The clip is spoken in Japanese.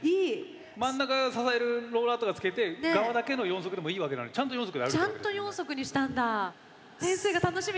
真ん中支えるローラーとか付けてがわだけの４足でもいいわけなのにちゃんと４足で歩いてる。